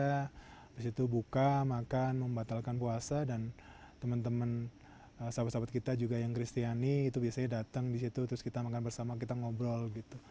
habis itu buka makan membatalkan puasa dan teman teman sahabat sahabat kita juga yang kristiani itu biasanya datang di situ terus kita makan bersama kita ngobrol gitu